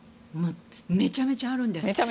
めちゃめちゃあるんです。